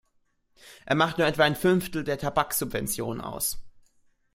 Er macht nur etwa ein Fünftel der Tabaksubventionen aus.